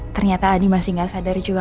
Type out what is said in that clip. ternyata adi masih nggak sadar juga